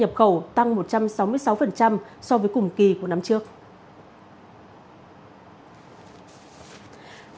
so với cùng kỳ của năm trước